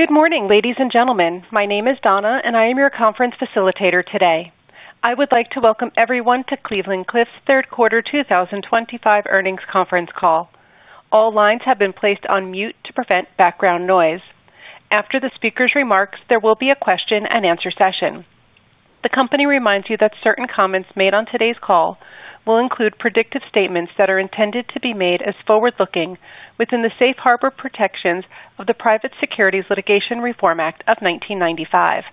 Good morning, ladies and gentlemen. My name is Donna, and I am your conference facilitator today. I would like to welcome everyone to Cleveland-Cliffs' third quarter 2025 earnings conference call. All lines have been placed on mute to prevent background noise. After the speaker's remarks, there will be a question and answer session. The company reminds you that certain comments made on today's call will include predictive statements that are intended to be made as forward-looking within the safe harbor protections of the Private Securities Litigation Reform Act of 1995.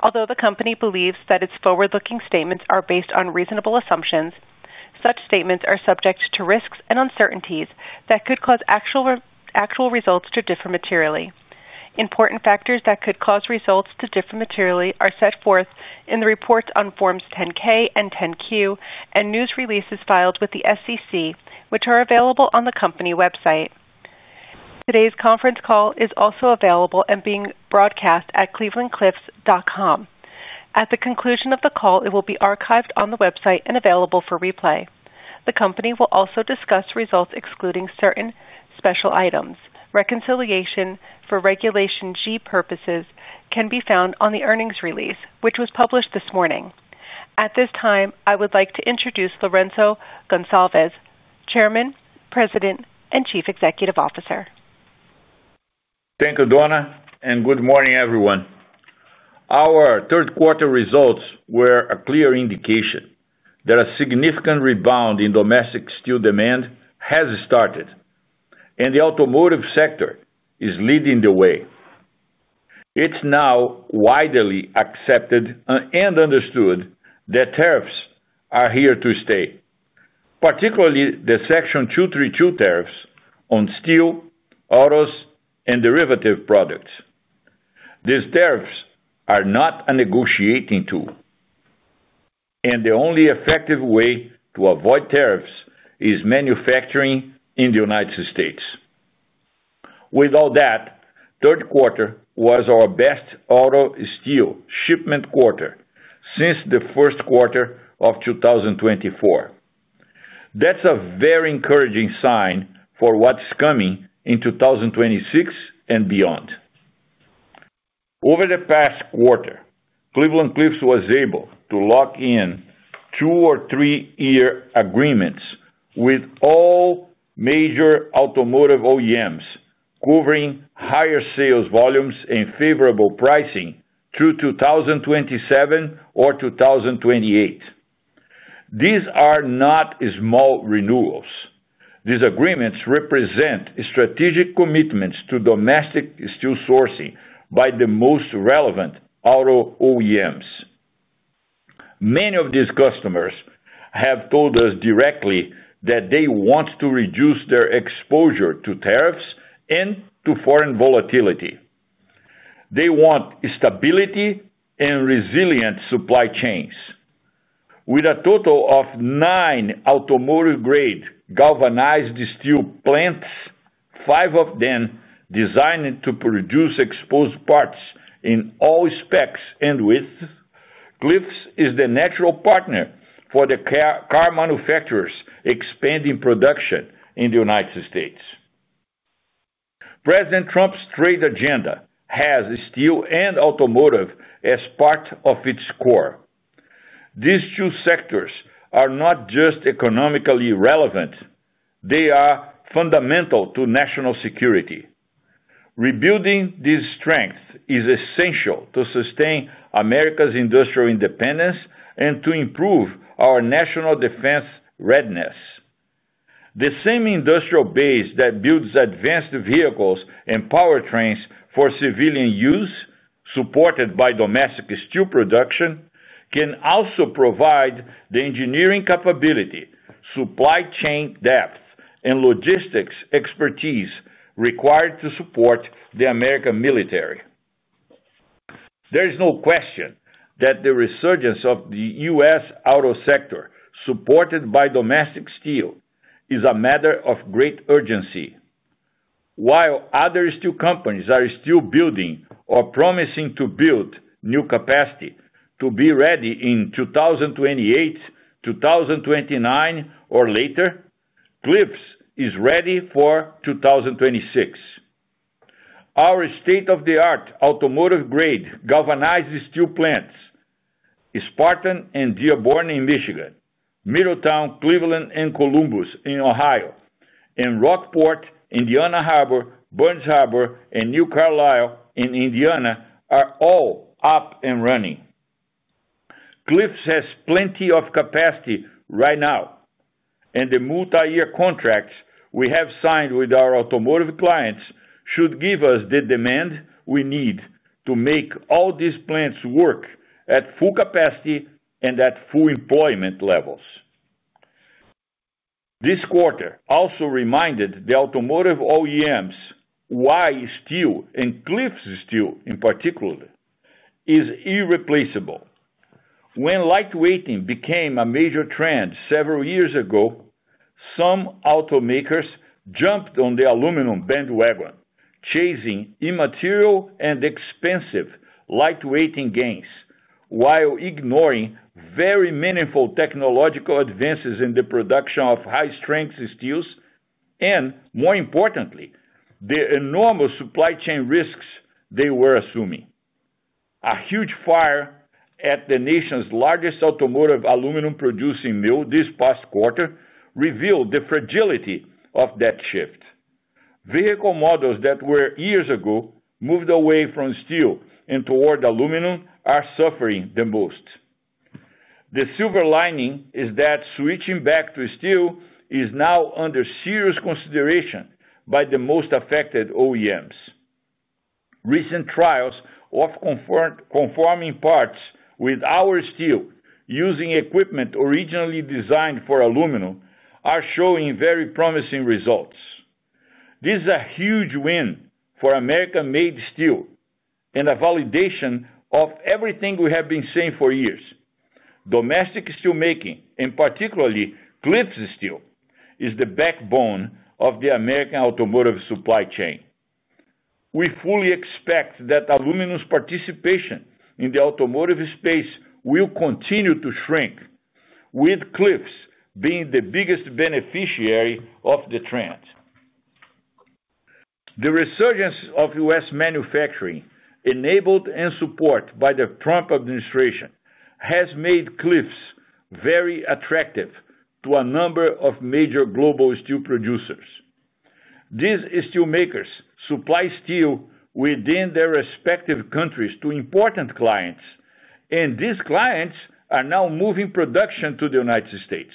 Although the company believes that its forward-looking statements are based on reasonable assumptions, such statements are subject to risks and uncertainties that could cause actual results to differ materially. Important factors that could cause results to differ materially are set forth in the reports on Forms 10-K and 10-Q and news releases filed with the SEC, which are available on the company website. Today's conference call is also available and being broadcast at clevelandcliffs.com. At the conclusion of the call, it will be archived on the website and available for replay. The company will also discuss results excluding certain special items. Reconciliation for Regulation G purposes can be found on the earnings release, which was published this morning. At this time, I would like to introduce Lourenco Goncalves, Chairman, President, and Chief Executive Officer. Thank you, Donna, and good morning, everyone. Our third quarter results were a clear indication that a significant rebound in domestic steel demand has started, and the automotive sector is leading the way. It's now widely accepted and understood that tariffs are here to stay, particularly the Section 232 tariffs on steel, autos, and derivative products. These tariffs are not a negotiating tool, and the only effective way to avoid tariffs is manufacturing in the United States. With all that, the third quarter was our best auto steel shipment quarter since the first quarter of 2024. That's a very encouraging sign for what's coming in 2026 and beyond. Over the past quarter, Cleveland-Cliffs was able to lock in two or three-year agreements with all major automotive OEMs covering higher sales volumes and favorable pricing through 2027 or 2028. These are not small renewals. These agreements represent strategic commitments to domestic steel sourcing by the most relevant auto OEMs. Many of these customers have told us directly that they want to reduce their exposure to tariffs and to foreign volatility. They want stability and resilient supply chains. With a total of nine automotive-grade galvanized steel plants, five of them designed to produce exposed parts in all specs and widths, Cliffs is the natural partner for the car manufacturers expanding production in the United States. President Trump's trade agenda has steel and automotive as part of its core. These two sectors are not just economically relevant, they are fundamental to national security. Rebuilding these strengths is essential to sustain America's industrial independence and to improve our national defense readiness. The same industrial base that builds advanced vehicles and powertrains for civilian use, supported by domestic steel production, can also provide the engineering capability, supply chain depth, and logistics expertise required to support the American military. There is no question that the resurgence of the U.S. auto sector, supported by domestic steel, is a matter of great urgency. While other steel companies are still building or promising to build new capacity to be ready in 2028, 2029, or later, Cliffs is ready for 2026. Our state-of-the-art automotive-grade galvanized steel plants, Spartan and Dearborn in Michigan, Middletown, Cleveland, and Columbus in Ohio, and Rockport, Indiana Harbor, Burns Harbor, and New Carlisle in Indiana are all up and running. Cliffs has plenty of capacity right now, and the multi-year contracts we have signed with our automotive clients should give us the demand we need to make all these plants work at full capacity and at full employment levels. This quarter also reminded the automotive OEMs why steel, and Cliffs Steel in particular, is irreplaceable. When lightweighting became a major trend several years ago, some automakers jumped on the aluminum bandwagon, chasing immaterial and expensive lightweighting gains while ignoring very meaningful technological advances in the production of high-strength steels and, more importantly, the enormous supply chain risks they were assuming. A huge fire at the nation's largest automotive aluminum-producing mill this past quarter revealed the fragility of that shift. Vehicle models that were years ago moved away from steel and toward aluminum are suffering the most. The silver lining is that switching back to steel is now under serious consideration by the most affected OEMs. Recent trials of conforming parts with our steel using equipment originally designed for aluminum are showing very promising results. This is a huge win for American-made steel and a validation of everything we have been saying for years. Domestic steelmaking, and particularly Cliffs Steel, is the backbone of the American automotive supply chain. We fully expect that aluminum's participation in the automotive space will continue to shrink, with Cliffs being the biggest beneficiary of the trend. The resurgence of U.S. manufacturing, enabled and supported by the Trump administration, has made Cliffs very attractive to a number of major global steel producers. These steelmakers supply steel within their respective countries to important clients, and these clients are now moving production to the United States.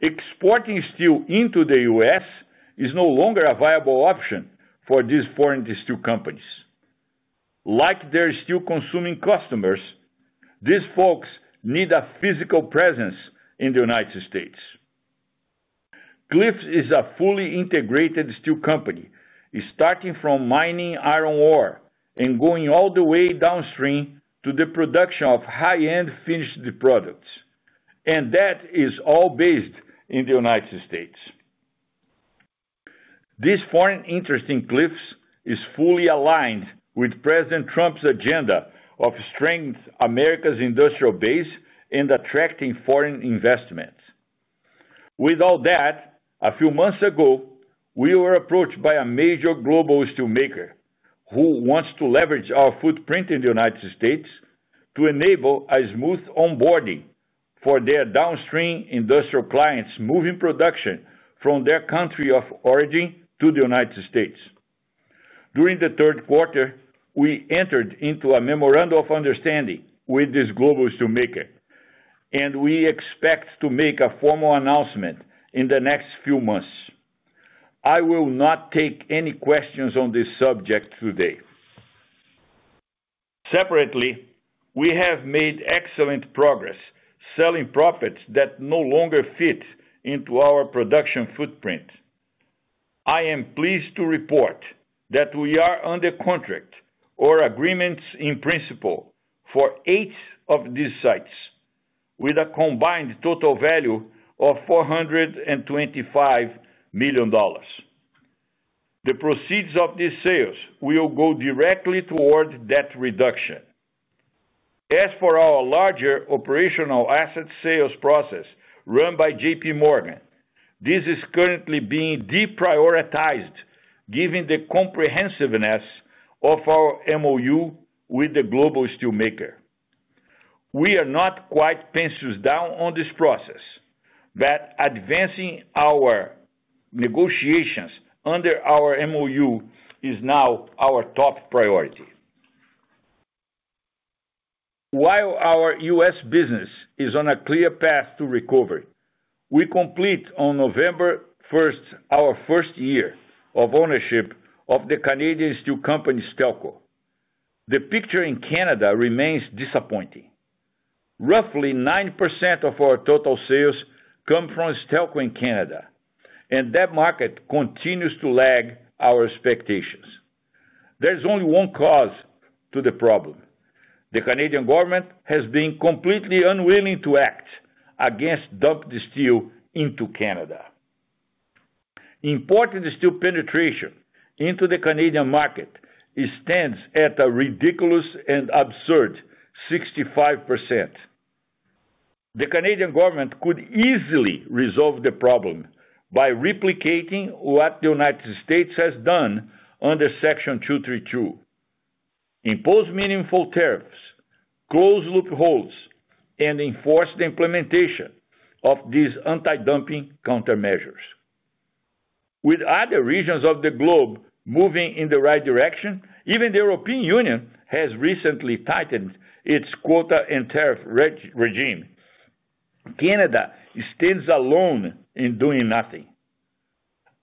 Exporting steel into the U.S. is no longer a viable option for these foreign steel companies. Like their steel-consuming customers, these folks need a physical presence in the United States. Cliffs is a fully integrated steel company, starting from mining iron ore and going all the way downstream to the production of high-end finished products, and that is all based in the United States. This foreign interest in Cliffs is fully aligned with President Trump's agenda of strengthening America's industrial base and attracting foreign investments. With all that, a few months ago, we were approached by a major global steelmaker who wants to leverage our footprint in the United States to enable a smooth onboarding for their downstream industrial clients, moving production from their country of origin to the United States. During the third quarter, we entered into a memorandum of understanding with this global steelmaker, and we expect to make a formal announcement in the next few months. I will not take any questions on this subject today. Separately, we have made excellent progress selling profits that no longer fit into our production footprint. I am pleased to report that we are under contract or agreements in principle for eight of these sites, with a combined total value of $425 million. The proceeds of these sales will go directly toward debt reduction. As for our larger operational asset sales process run by JPMorgan, this is currently being deprioritized, given the comprehensiveness of our memorandum of understanding with the global steelmaker. We are not quite penciled down on this process, but advancing our negotiations under our memorandum of understanding is now our top priority. While our U.S. business is on a clear path to recovery, we complete on November 1st our first year of ownership of the Canadian steel company Stelco. The picture in Canada remains disappointing. Roughly 9% of our total sales come from Stelco in Canada, and that market continues to lag our expectations. There is only one cause to the problem: the Canadian government has been completely unwilling to act against dumped steel into Canada. Imported steel penetration into the Canadian market stands at a ridiculous and absurd 65%. The Canadian government could easily resolve the problem by replicating what the United States has done under Section 232, impose meaningful tariffs, close loopholes, and enforce the implementation of these anti-dumping counter measures. With other regions of the globe moving in the right direction, even the European Union has recently tightened its quota and tariff regime. Canada stands alone in doing nothing.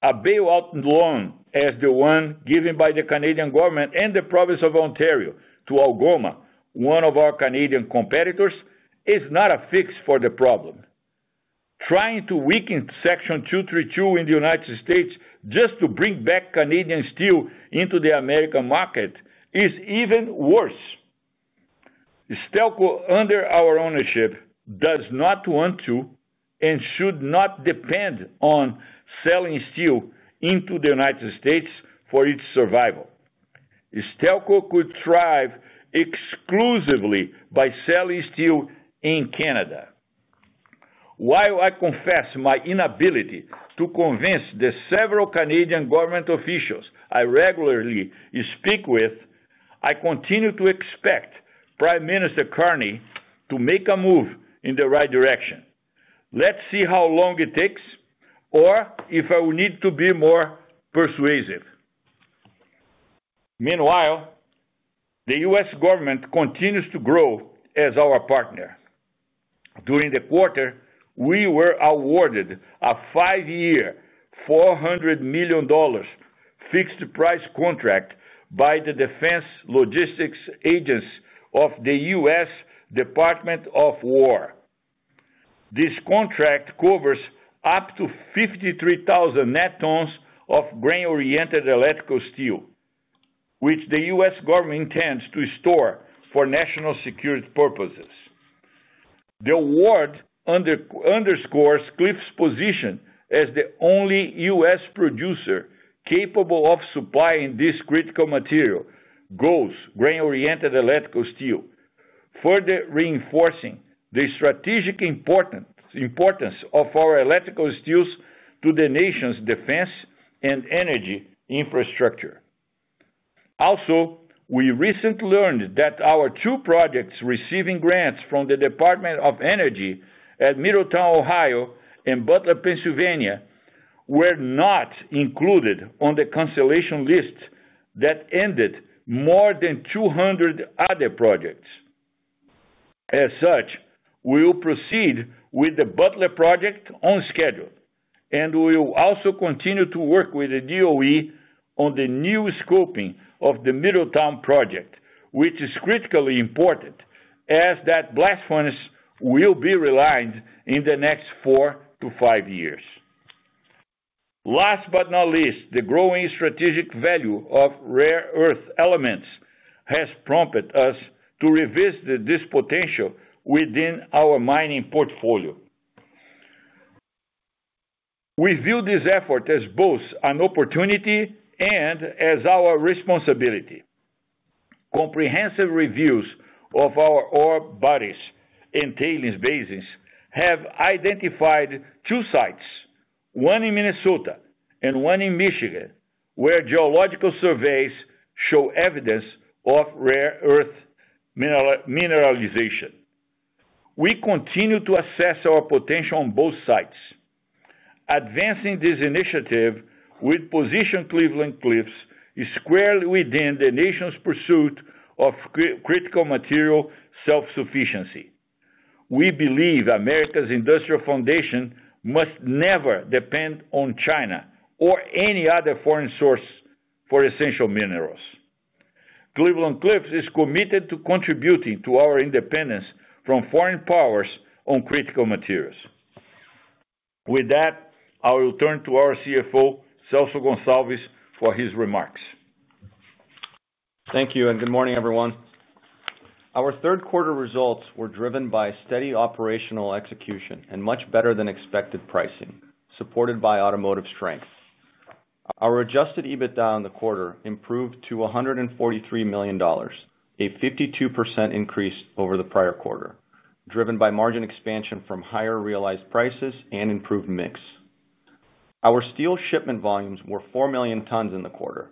A bailout loan, as the one given by the Canadian government and the province of Ontario to Algoma, one of our Canadian competitors, is not a fix for the problem. Trying to weaken Section 232 in the United States just to bring back Canadian steel into the American market is even worse. Stelco, under our ownership, does not want to and should not depend on selling steel into the United States for its survival. Stelco could thrive exclusively by selling steel in Canada. While I confess my inability to convince the several Canadian government officials I regularly speak with, I continue to expect Prime Minister Carney to make a move in the right direction. Let's see how long it takes, or if I will need to be more persuasive. Meanwhile, the U.S. government continues to grow as our partner. During the quarter, we were awarded a five-year, $400 million fixed-price contract by the Defense Logistics Agency of the U.S. Department of War. This contract covers up to 53,000 net tons of grain-oriented electrical steel, which the U.S. government intends to store for national security purposes. The award underscores Cleveland-Cliffs' position as the only U.S. producer capable of supplying this critical material, grain-oriented electrical steel, further reinforcing the strategic importance of our electrical steels to the nation's defense and energy infrastructure. Also, we recently learned that our two projects receiving grants from the Department of Energy at Middletown, Ohio, and Butler, Pennsylvania, were not included on the cancellation list that ended more than 200 other projects. As such, we will proceed with the Butler project on schedule, and we will also continue to work with the DOE on the new scoping of the Middletown project, which is critically important as that blast furnace will be reliant in the next four to five years. Last but not least, the growing strategic value of rare earth elements has prompted us to revisit this potential within our mining portfolio. We view this effort as both an opportunity and as our responsibility. Comprehensive reviews of our ore bodies and tailings basins have identified two sites, one in Minnesota and one in Michigan, where geological surveys show evidence of rare earth mineralization. We continue to assess our potential on both sites. Advancing this initiative would position Cleveland-Cliffs squarely within the nation's pursuit of critical material self-sufficiency. We believe America's industrial foundation must never depend on China or any other foreign source for essential minerals. Cleveland-Cliffs is committed to contributing to our independence from foreign powers on critical materials. With that, I will turn to our CFO, Celso Goncalves, for his remarks. Thank you, and good morning, everyone. Our third quarter results were driven by steady operational execution and much better-than-expected pricing, supported by automotive strength. Our adjusted EBITDA on the quarter improved to $143 million, a 52% increase over the prior quarter, driven by margin expansion from higher realized prices and improved mix. Our steel shipment volumes were 4 million tons in the quarter,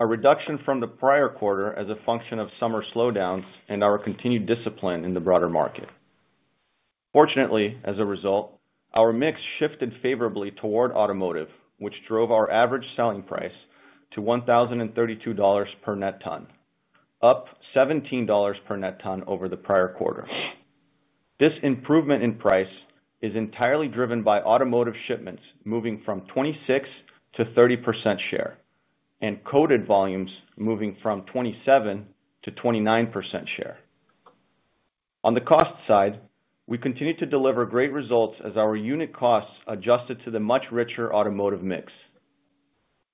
a reduction from the prior quarter as a function of summer slowdowns and our continued discipline in the broader market. Fortunately, as a result, our mix shifted favorably toward automotive, which drove our average selling price to $1,032 per net ton, up $17 per net ton over the prior quarter. This improvement in price is entirely driven by automotive shipments moving from 26% to 30% share and coated volumes moving from 27% to 29% share. On the cost side, we continue to deliver great results as our unit costs adjusted to the much richer automotive mix.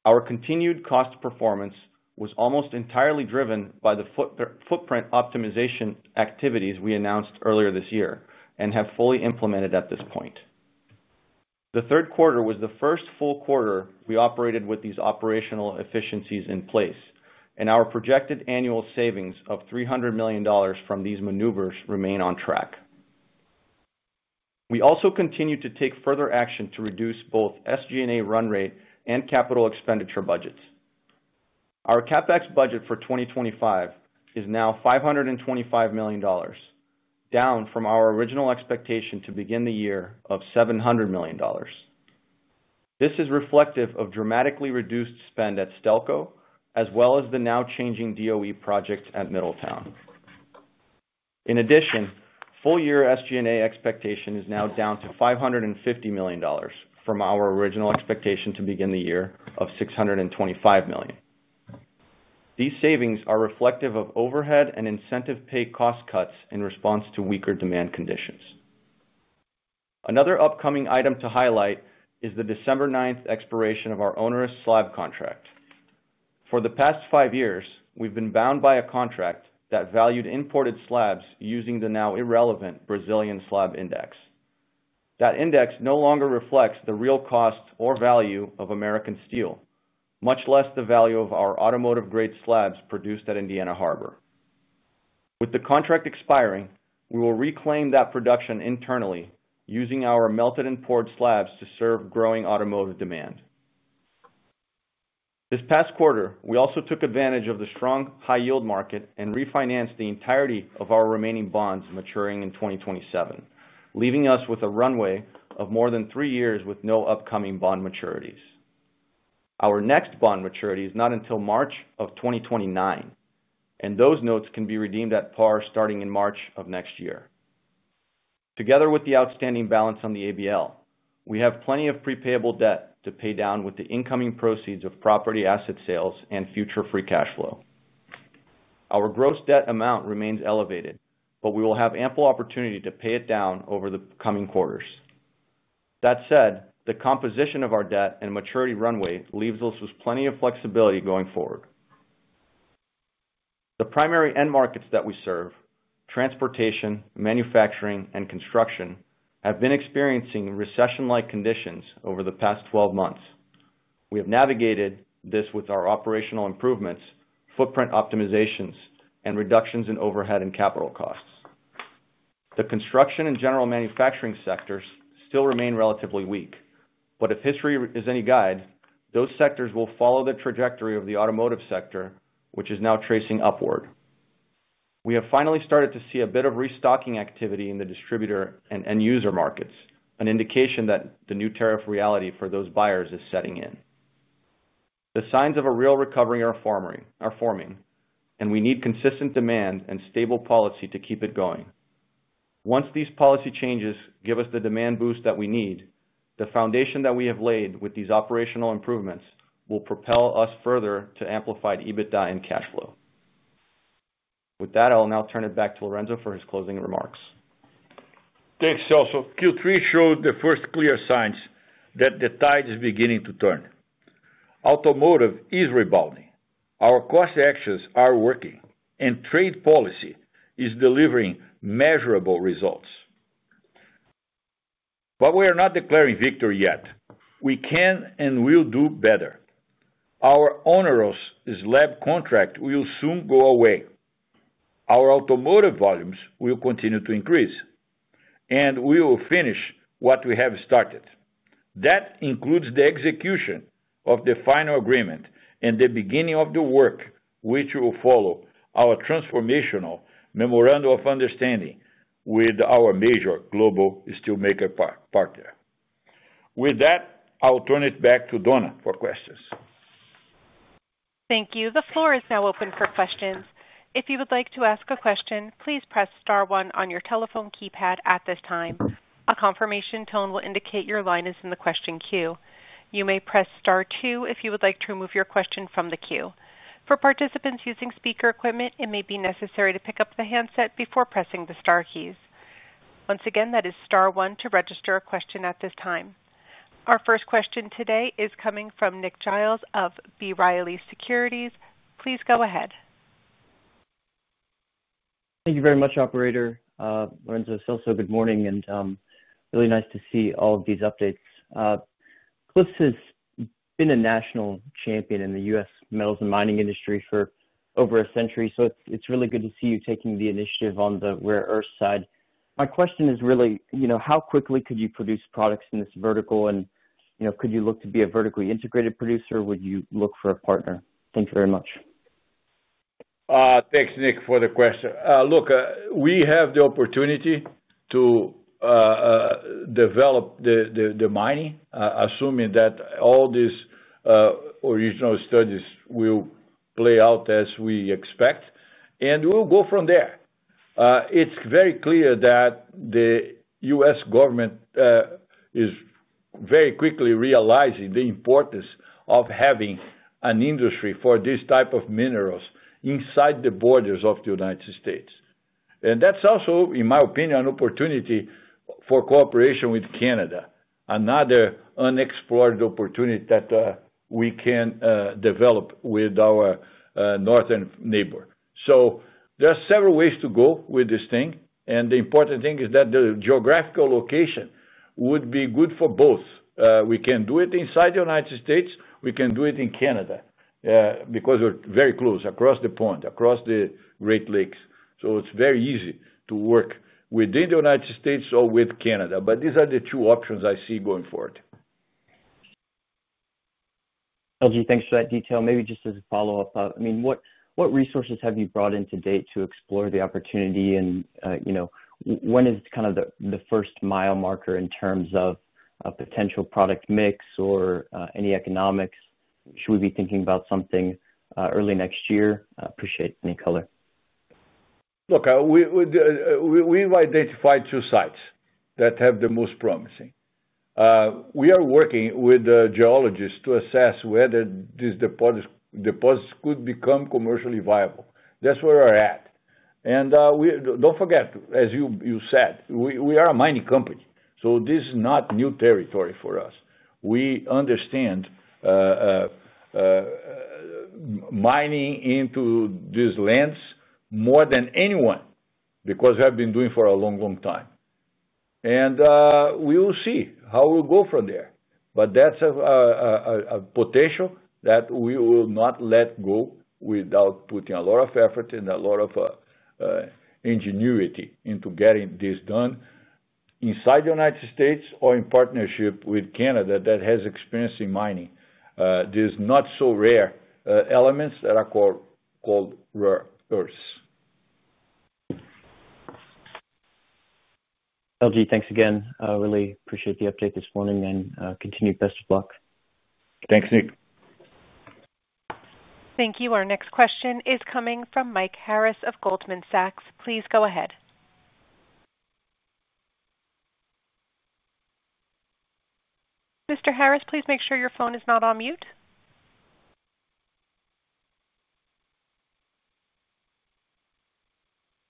Our continued cost performance was almost entirely driven by the footprint optimization activities we announced earlier this year and have fully implemented at this point. The third quarter was the first full quarter we operated with these operational efficiencies in place, and our projected annual savings of $300 million from these maneuvers remain on track. We also continue to take further action to reduce both SG&A run rate and capital expenditure budgets. Our CapEx budget for 2025 is now $525 million, down from our original expectation to begin the year of $700 million. This is reflective of dramatically reduced spend at Stelco, as well as the now changing DOE projects at Middletown. In addition, full-year SG&A expectation is now down to $550 million from our original expectation to begin the year of $625 million. These savings are reflective of overhead and incentive pay cost cuts in response to weaker demand conditions. Another upcoming item to highlight is the December 9 expiration of our onerous slab contract. For the past five years, we've been bound by a contract that valued imported slabs using the now irrelevant Brazilian slab index. That index no longer reflects the real cost or value of American steel, much less the value of our automotive-grade slabs produced at Indiana Harbor. With the contract expiring, we will reclaim that production internally using our melted and poured slabs to serve growing automotive demand. This past quarter, we also took advantage of the strong high-yield market and refinanced the entirety of our remaining bonds maturing in 2027, leaving us with a runway of more than three years with no upcoming bond maturities. Our next bond maturity is not until March of 2029, and those notes can be redeemed at par starting in March of next year. Together with the outstanding balance on the ABL, we have plenty of prepayable debt to pay down with the incoming proceeds of property asset sales and future free cash flow. Our gross debt amount remains elevated, but we will have ample opportunity to pay it down over the coming quarters. That said, the composition of our debt and maturity runway leaves us with plenty of flexibility going forward. The primary end markets that we serve, transportation, manufacturing, and construction, have been experiencing recession-like conditions over the past 12 months. We have navigated this with our operational improvements, footprint optimizations, and reductions in overhead and capital costs. The construction and general manufacturing sectors still remain relatively weak, but if history is any guide, those sectors will follow the trajectory of the automotive sector, which is now tracing upward. We have finally started to see a bit of restocking activity in the distributor and end-user markets, an indication that the new tariff reality for those buyers is setting in. The signs of a real recovery are forming, and we need consistent demand and stable policy to keep it going. Once these policy changes give us the demand boost that we need, the foundation that we have laid with these operational improvements will propel us further to amplified EBITDA and cash flow. With that, I'll now turn it back to Lourenco for his closing remarks. Thanks, Celso. Q3 showed the first clear signs that the tide is beginning to turn. Automotive is rebounding, our cost actions are working, and trade policy is delivering measurable results. We are not declaring victory yet. We can and will do better. Our onerous slab contract will soon go away. Our automotive volumes will continue to increase, and we will finish what we have started. That includes the execution of the final agreement and the beginning of the work which will follow our transformational memorandum of understanding with our major global steelmaker partner. With that, I'll turn it back to Donna for questions. Thank you. The floor is now open for questions. If you would like to ask a question, please press star one on your telephone keypad at this time. A confirmation tone will indicate your line is in the question queue. You may press star two if you would like to remove your question from the queue. For participants using speaker equipment, it may be necessary to pick up the handset before pressing the star keys. Once again, that is star one to register a question at this time. Our first question today is coming from Nick Giles of B. Riley Securities. Please go ahead. Thank you very much, Operator. Lourenco, Celso, good morning, and really nice to see all of these updates. Cliffs has been a national champion in the U.S. metals and mining industry for over a century, so it's really good to see you taking the initiative on the rare earth side. My question is really, you know, how quickly could you produce products in this vertical, and you know, could you look to be a vertically integrated producer? Would you look for a partner? Thank you very much. Thanks, Nick, for the question. Look, we have the opportunity to develop the mining, assuming that all these original studies will play out as we expect, and we'll go from there. It's very clear that the U.S. government is very quickly realizing the importance of having an industry for this type of minerals inside the borders of the United States. That's also, in my opinion, an opportunity for cooperation with Canada, another unexplored opportunity that we can develop with our northern neighbor. There are several ways to go with this thing, and the important thing is that the geographical location would be good for both. We can do it inside the United States. We can do it in Canada because we're very close, across the pond, across the Great Lakes. It's very easy to work within the United States or with Canada. These are the two options I see going forward. Thanks for that detail. Maybe just as a follow-up, I mean, what resources have you brought in to date to explore the opportunity? You know, when is kind of the first mile marker in terms of a potential product mix or any economics? Should we be thinking about something early next year? Appreciate any color. Look, we've identified two sites that have the most promising potential. We are working with the geologists to assess whether these deposits could become commercially viable. That's where we're at. Don't forget, as you said, we are a mining company, so this is not new territory for us. We understand mining into these lands more than anyone because we have been doing it for a long, long time. We will see how we'll go from there. That's a potential that we will not let go without putting a lot of effort and a lot of ingenuity into getting this done inside the U.S. or in partnership with Canada that has experience in mining. There are not so rare elements that are called rare earths. L.G., thanks again. Really appreciate the update this morning and continue best of luck. Thanks, Nick. Thank you. Our next question is coming from Mike Harris of Goldman Sachs. Please go ahead. Mr. Harris, please make sure your phone is not on mute.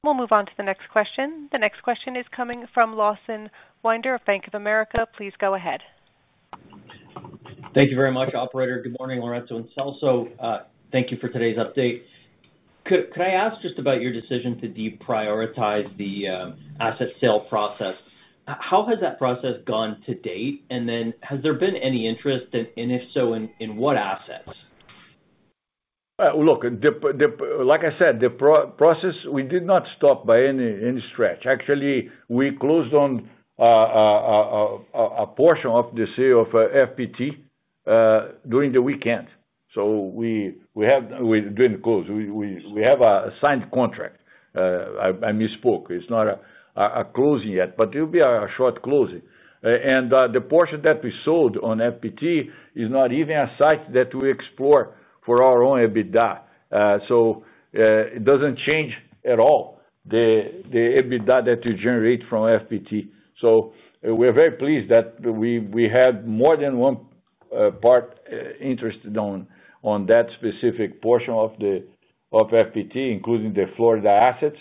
We'll move on to the next question. The next question is coming from Lawson Winder of Bank of America. Please go ahead. Thank you very much, Operator. Good morning, Lourenco and Celso. Thank you for today's update. Could I ask just about your decision to deprioritize the asset sale process? How has that process gone to date? Has there been any interest, and if so, in what assets? Look, like I said, the process, we did not stop by any stretch. Actually, we closed on a portion of the sale of FPT during the weekend. We have, during the close, a signed contract. I misspoke. It's not a closing yet, but it'll be a short closing. The portion that we sold on FPT is not even a site that we explore for our own EBITDA. It doesn't change at all the EBITDA that we generate from FPT. We're very pleased that we had more than one party interested in that specific portion of FPT, including the Florida assets.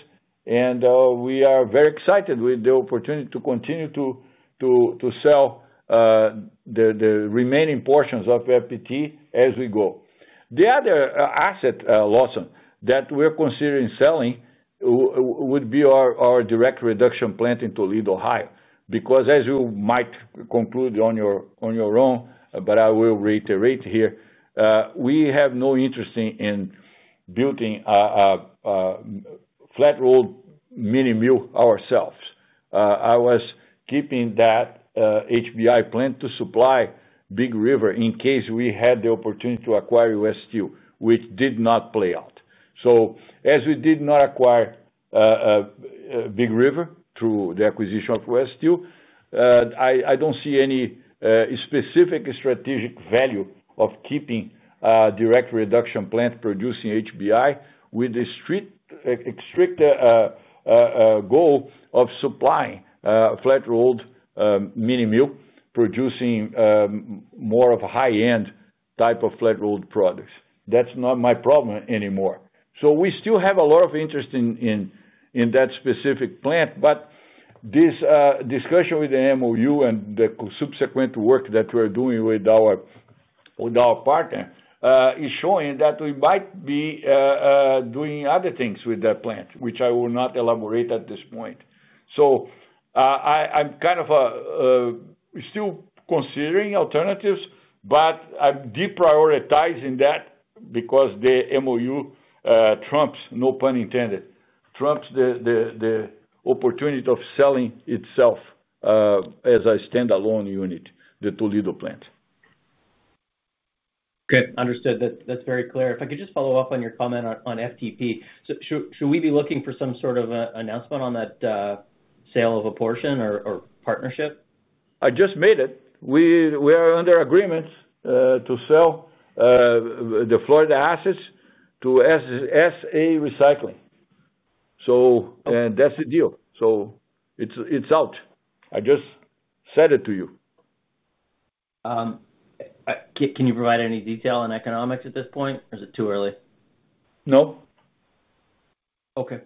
We are very excited with the opportunity to continue to sell the remaining portions of FPT as we go. The other asset, Lawson, that we're considering selling would be our direct reduction plant in Toledo, Ohio, because, as you might conclude on your own, but I will reiterate here, we have no interest in building a flat-rolled mini-mill ourselves. I was keeping that HBI plant to supply Big River in case we had the opportunity to acquire U.S. Steel, which did not play out. As we did not acquire Big River through the acquisition of U.S. Steel, I don't see any specific strategic value of keeping a direct reduction plant producing HBI with the strict goal of supplying flat-rolled mini-mill producing more of a high-end type of flat-rolled products. That's not my problem anymore. We still have a lot of interest in that specific plant, but this discussion with the MOU and the subsequent work that we're doing with our partner is showing that we might be doing other things with that plant, which I will not elaborate at this point. I'm kind of still considering alternatives, but I'm deprioritizing that because the MOU trumps, no pun intended, trumps the opportunity of selling itself as a standalone unit, the Toledo plant. Okay, understood. That's very clear. If I could just follow up on your comment on FPT, should we be looking for some sort of announcement on that sale of a portion or partnership? I just made it. We are under agreement to sell the Florida assets to SA Recycling, and that's the deal. It's out. I just said it to you. Can you provide any detail on economics at this point, or is it too early? No. Okay.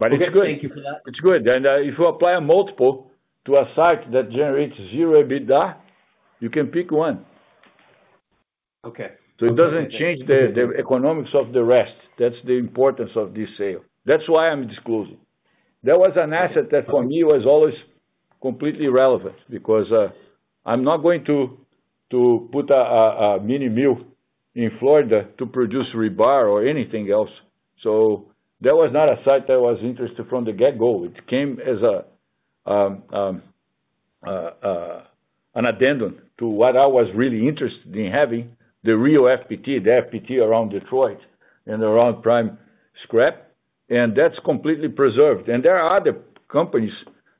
It is good. Thank you for that. It's good. If you apply a multiple to a site that generates zero EBITDA, you can pick one. Okay. It doesn't change the economics of the rest. That's the importance of this sale. That's why I'm disclosing. That was an asset that, for me, was always completely irrelevant because I'm not going to put a mini-mill in Florida to produce rebar or anything else. That was not a site that I was interested in from the get-go. It came as an addendum to what I was really interested in having, the real FPT, the FPT around Detroit and around Prime Scrap. That's completely preserved. There are other companies,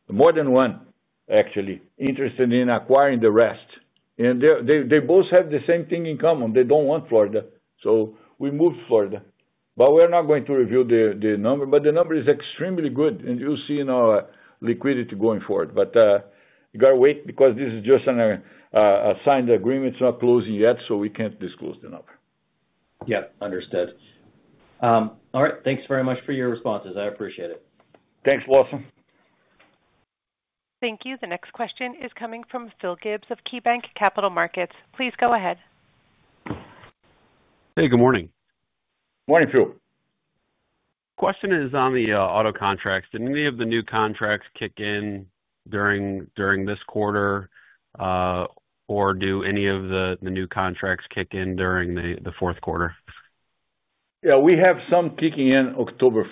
more than one actually, interested in acquiring the rest. They both have the same thing in common. They don't want Florida. We moved to Florida, but we're not going to reveal the number. The number is extremely good, and you'll see in our liquidity going forward. You have to wait because this is just a signed agreement. It's not closing yet, so we can't disclose the number. Yeah, understood. All right. Thanks very much for your responses. I appreciate it. Thanks, Lawson. Thank you. The next question is coming from Phil Gibbs of KeyBanc Capital Markets. Please go ahead. Hey, good morning. Morning, Phil. The question is on the auto contracts. Did any of the new contracts kick in during this quarter, or do any of the new contracts kick in during the fourth quarter? Yeah, we have some kicking in October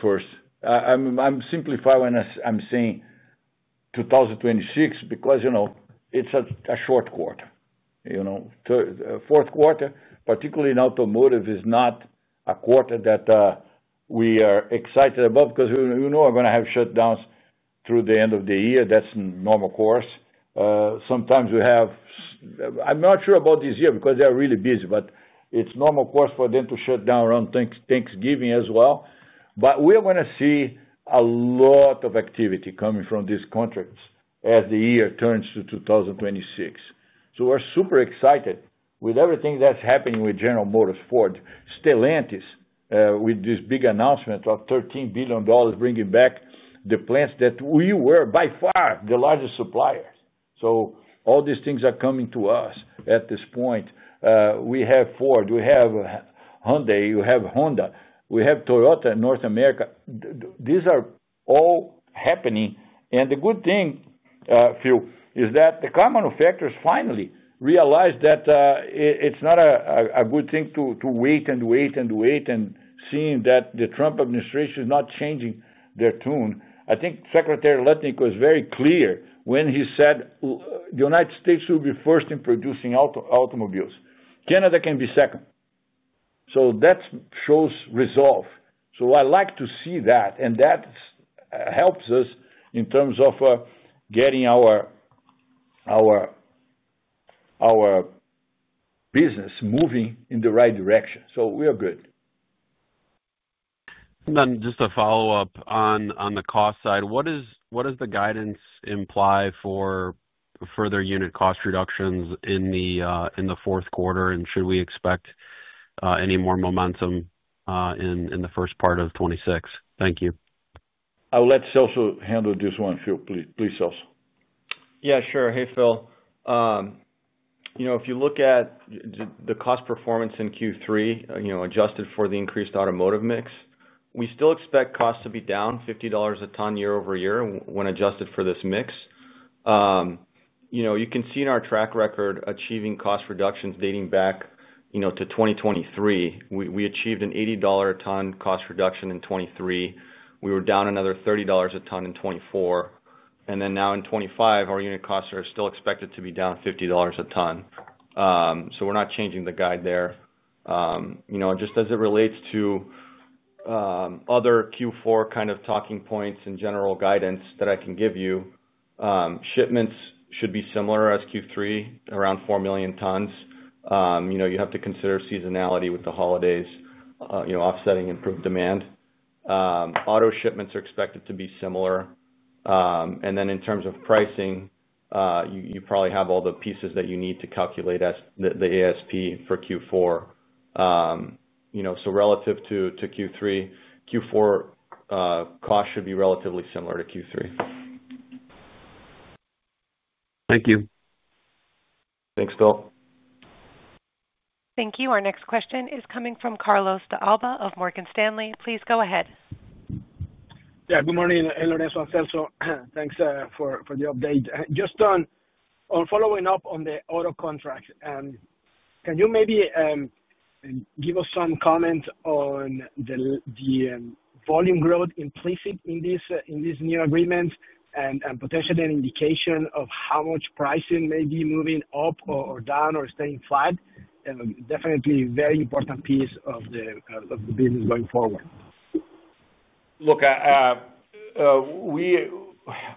1. I'm simplifying when I'm saying 2026 because, you know, it's a short quarter. The fourth quarter, particularly in automotive, is not a quarter that we are excited about because, you know, we're going to have shutdowns through the end of the year. That's a normal course. Sometimes we have, I'm not sure about this year because they are really busy, but it's a normal course for them to shut down around Thanksgiving as well. We are going to see a lot of activity coming from these contracts as the year turns to 2026. We're super excited with everything that's happening with General Motors, Ford, Stellantis, with this big announcement of $13 billion bringing back the plants that we were by far the largest supplier. All these things are coming to us at this point. We have Ford, we have Hyundai, we have Honda, we have Toyota in North America. These are all happening. The good thing, Phil, is that the car manufacturers finally realize that it's not a good thing to wait and wait and wait and see that the Trump administration is not changing their tune. I think Secretary Letnic was very clear when he said the United States will be first in producing automobiles. Canada can be second. That shows resolve. I like to see that, and that helps us in terms of getting our business moving in the right direction. We are good. Just a follow-up on the cost side. What does the guidance imply for further unit cost reductions in the fourth quarter, and should we expect any more momentum in the first part of 2026? Thank you. I'll let Celso handle this one, Phil. Please, Celso. Yeah, sure. Hey, Phil. If you look at the cost performance in Q3, adjusted for the increased automotive mix, we still expect costs to be down $50 a ton year-over-year when adjusted for this mix. You can see in our track record achieving cost reductions dating back to 2023. We achieved an $80 a ton cost reduction in 2023. We were down another $30 a ton in 2024. In 2025, our unit costs are still expected to be down $50 a ton. We're not changing the guide there. Just as it relates to other Q4 kind of talking points and general guidance that I can give you, shipments should be similar as Q3, around 4 million tons. You have to consider seasonality with the holidays, offsetting improved demand. Auto shipments are expected to be similar. In terms of pricing, you probably have all the pieces that you need to calculate as the ASP for Q4. Relative to Q3, Q4 costs should be relatively similar to Q3. Thank you. Thanks, Phil. Thank you. Our next question is coming from Carlos Alba of Morgan Stanley. Please go ahead. Yeah, good morning, Lourenco and Celso. Thanks for the update. Just on following up on the auto contracts, can you maybe give us some comments on the volume growth implicit in this new agreement and potentially an indication of how much pricing may be moving up or down or staying flat? Definitely a very important piece of the business going forward. Look,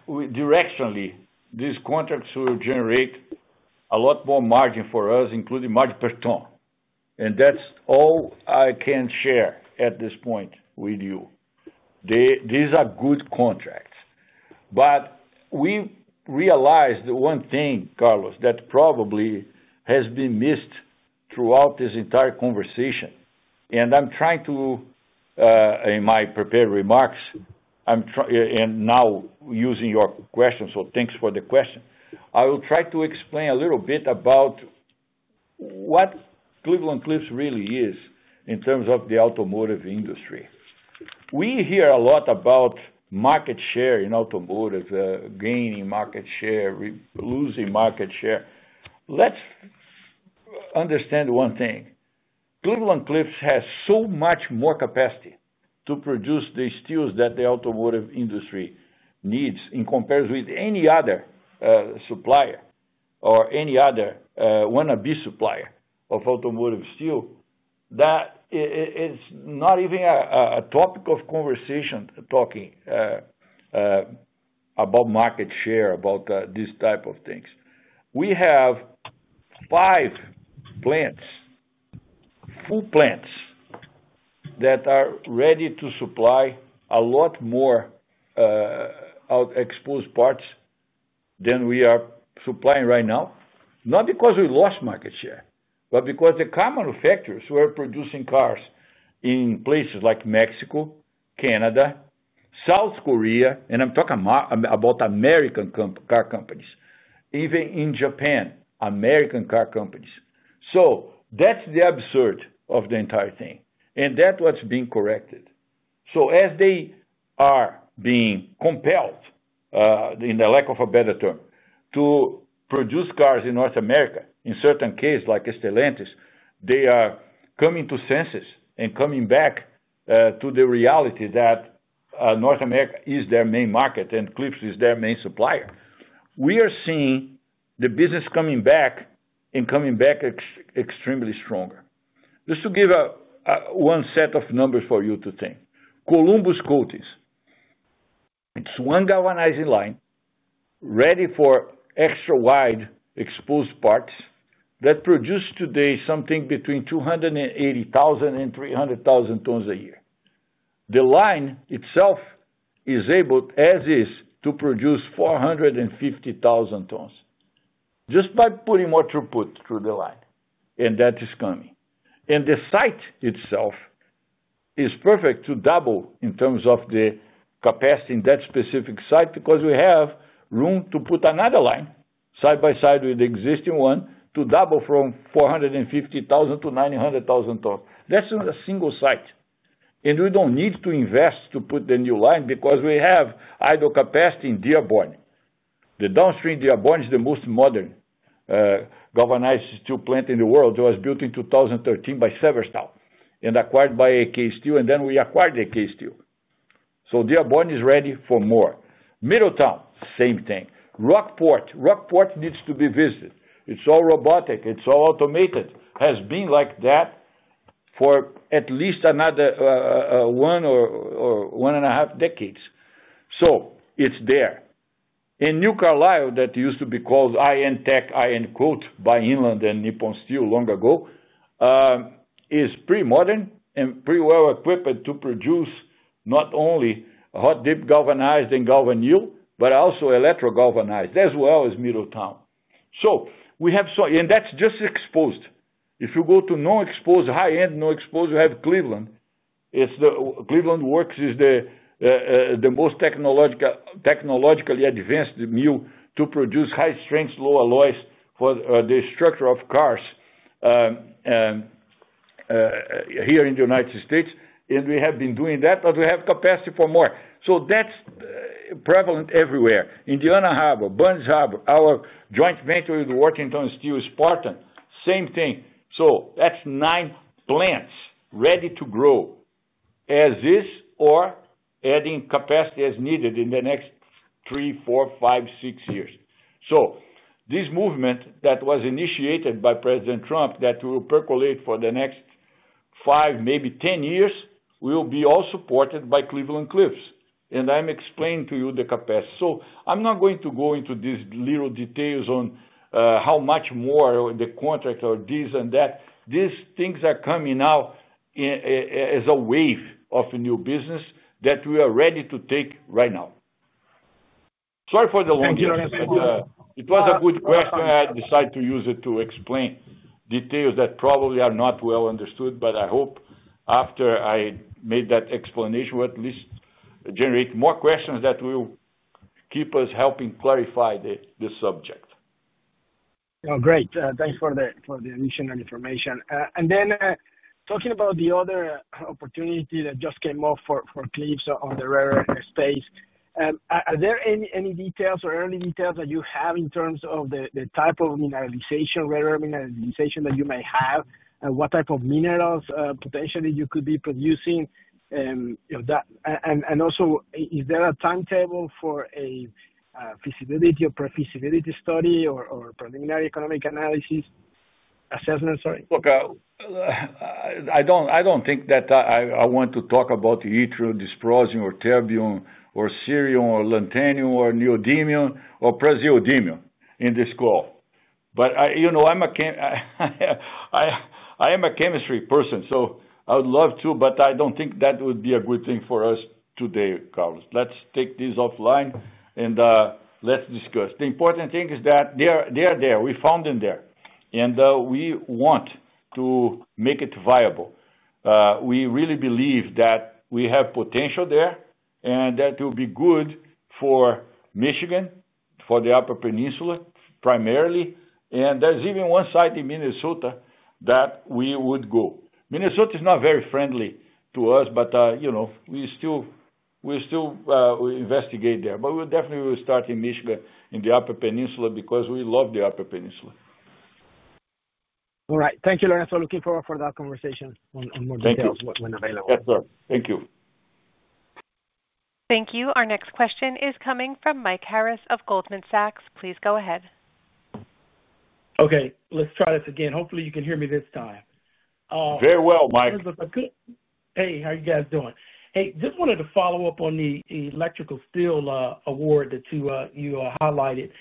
directionally, these contracts will generate a lot more margin for us, including margin per ton. That's all I can share at this point with you. These are good contracts. We realized one thing, Carlos, that probably has been missed throughout this entire conversation. I'm trying to, in my prepared remarks, I'm trying and now using your question, so thanks for the question. I will try to explain a little bit about what Cleveland-Cliffs really is in terms of the automotive industry. We hear a lot about market share in automotive, gaining market share, losing market share. Let's understand one thing. Cleveland-Cliffs has so much more capacity to produce the steels that the automotive industry needs in comparison with any other supplier or any other wannabe supplier of automotive steel that it's not even a topic of conversation talking about market share, about these types of things. We have five plants, full plants, that are ready to supply a lot more out-exposed parts than we are supplying right now, not because we lost market share, but because the car manufacturers who are producing cars in places like Mexico, Canada, South Korea, and I'm talking about American car companies, even in Japan, American car companies. That's the absurd of the entire thing. That's what's being corrected. As they are being compelled, in the lack of a better term, to produce cars in North America, in certain cases, like Stellantis, they are coming to senses and coming back to the reality that North America is their main market and Cliffs is their main supplier. We are seeing the business coming back and coming back extremely stronger. Just to give one set of numbers for you to think. Columbus Coatings, it's one galvanizing line ready for extra-wide exposed parts that produces today something between 280,000 and 300,000 tons a year. The line itself is able, as is, to produce 450,000 tons just by putting what you put through the line. That is coming. The site itself is perfect to double in terms of the capacity in that specific site because we have room to put another line side by side with the existing one to double from 450,000 to 900,000 tons. That's on a single site. We don't need to invest to put the new line because we have idle capacity in Dearborn. The downstream Dearborn is the most modern galvanized steel plant in the world. It was built in 2013 by Severstal and acquired by AK Steel, and then we acquired AK Steel. Dearborn is ready for more. Middletown, same thing. Rockport needs to be visited. It's all robotic. It's all automated. It has been like that for at least another one or one and a half decades. It's there. New Carlisle, that used to be called IN Tech, IN Quote, by Inland and Nippon Steel long ago, is pretty modern and pretty well equipped to produce not only hot dip galvanized and galvan mill, but also electro-galvanized as well as Middletown. We have so, and that's just exposed. If you go to non-exposed, high-end non-exposed, you have Cleveland. Cleveland Works is the most technologically advanced mill to produce high strength, low alloys for the structure of cars here in the United States. We have been doing that, but we have capacity for more. That's prevalent everywhere. Indiana Harbor, Burns Harbor, our joint venture with Washington Steel is Spartan. Same thing. That's nine plants ready to grow as is or adding capacity as needed in the next three, four, five, six years. This movement that was initiated by President Trump that will percolate for the next five, maybe 10 years will be all supported by Cleveland-Cliffs. I'm explaining to you the capacity. I'm not going to go into these little details on how much more the contract or this and that. These things are coming now as a wave of new business that we are ready to take right now. Sorry for the long answer. It was a good question. I decided to use it to explain details that probably are not well understood, but I hope after I made that explanation, we'll at least generate more questions that will keep us helping clarify the subject. Oh, great. Thanks for the additional information. Talking about the other opportunity that just came up for Cliffs on the rare earth space, are there any details or early details that you have in terms of the type of mineralization, rare earth mineralization that you may have? What type of minerals potentially you could be producing? Also, is there a timetable for a feasibility or pre-feasibility study or preliminary economic analysis assessment, sorry? Look, I don't think that I want to talk about the yttrium, dysprosium, or terbium, or cerium, or lanthanum, or neodymium, or praseodymium in this call. You know, I am a chemistry person, so I would love to, but I don't think that would be a good thing for us today, Carlos. Let's take this offline and let's discuss. The important thing is that they are there. We found them there, and we want to make it viable. We really believe that we have potential there and that it will be good for Michigan, for the Upper Peninsula primarily. There is even one site in Minnesota that we would go. Minnesota is not very friendly to us, but you know, we still investigate there. We definitely will start in Michigan in the Upper Peninsula because we love the Upper Peninsula. All right. Thank you, Lourenco. Looking forward to that conversation on more details when available. Yes, sir. Thank you. Thank you. Our next question is coming from Mike Harris of Goldman Sachs. Please go ahead. Okay, let's try this again. Hopefully, you can hear me this time. Very well, Mike. Hey, how are you guys doing? I just wanted to follow up on the grain-oriented electrical steel award that you highlighted.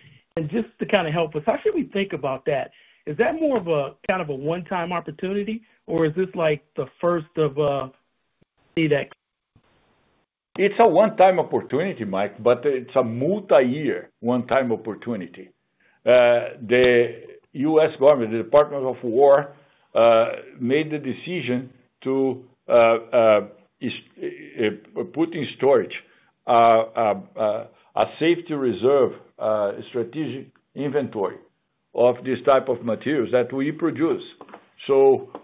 Just to kind of help us, how should we think about that? Is that more of a kind of a one-time opportunity, or is this like the first of a series of that? It's a one-time opportunity, Mike, but it's a multi-year one-time opportunity. The U.S. government, the U.S. Department of Defense, made the decision to put in storage a safety reserve, a strategic inventory of this type of materials that we produce.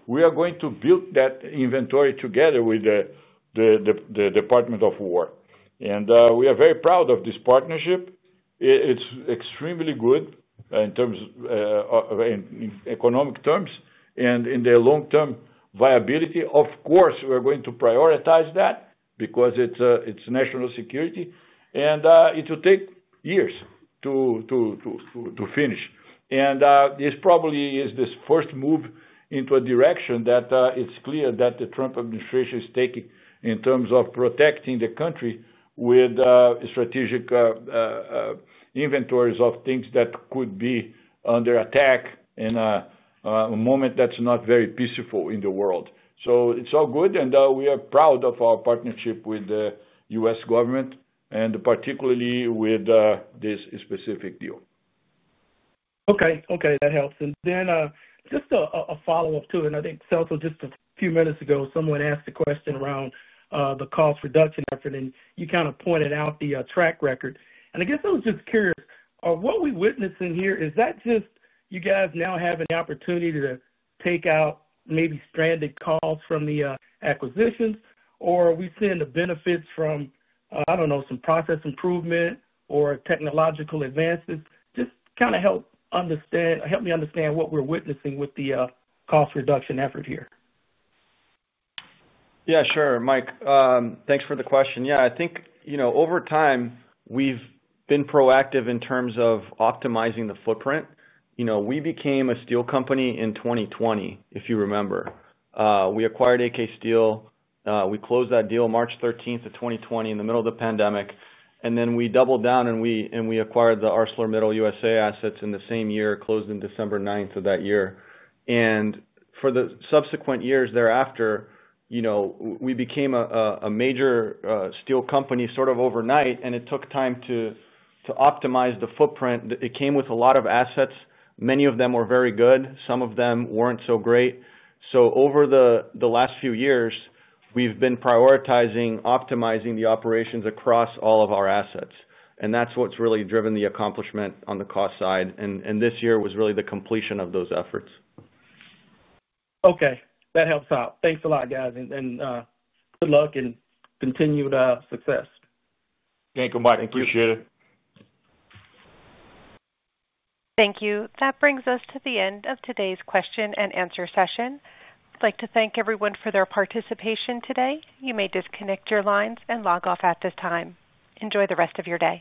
We are going to build that inventory together with the U.S. Department of War, and we are very proud of this partnership. It's extremely good in terms of economic terms and in the long-term viability. Of course, we're going to prioritize that because it's national security. It will take years to finish. This probably is the first move into a direction that it's clear that the Trump administration is taking in terms of protecting the country with strategic inventories of things that could be under attack in a moment that's not very peaceful in the world. It's all good, and we are proud of our partnership with the U.S. government and particularly with this specific deal. Okay, that helps. Just a follow-up too, and I think, Celso, just a few minutes ago, someone asked a question around the cost reduction effort, and you kind of pointed out the track record. I guess I was just curious, are what we're witnessing here, is that just you guys now having the opportunity to take out maybe stranded costs from the acquisitions, or are we seeing the benefits from, I don't know, some process improvement or technological advances? Just kind of help me understand what we're witnessing with the cost reduction effort here. Yeah, sure, Mike. Thanks for the question. I think, you know, over time, we've been proactive in terms of optimizing the footprint. You know, we became a steel company in 2020, if you remember. We acquired AK Steel. We closed that deal March 13th, 2020, in the middle of the pandemic. We doubled down and we acquired the ArcelorMittal USA assets in the same year, closed December 9th of that year. For the subsequent years thereafter, you know, we became a major steel company sort of overnight, and it took time to optimize the footprint. It came with a lot of assets. Many of them were very good. Some of them weren't so great. Over the last few years, we've been prioritizing optimizing the operations across all of our assets. That's what's really driven the accomplishment on the cost side. This year was really the completion of those efforts. Okay, that helps out. Thanks a lot, guys, and good luck and continued success. Okay, goodbye. Thank you. Appreciate it. Thank you. That brings us to the end of today's question and answer session. I'd like to thank everyone for their participation today. You may disconnect your lines and log off at this time. Enjoy the rest of your day.